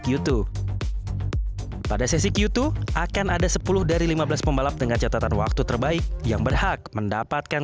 q dua pada sesi q dua akan ada sepuluh dari lima belas pembalap dengan catatan waktu terbaik yang berhak mendapatkan